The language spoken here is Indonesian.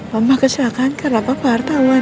mama kesalahan karena papa hartawan